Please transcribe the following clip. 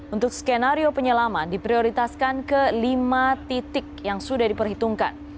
untuk skenario penyelaman diprioritaskan ke lima titik yang sudah diperhitungkan